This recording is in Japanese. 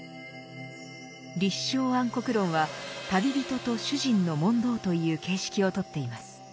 「立正安国論」は旅人と主人の問答という形式をとっています。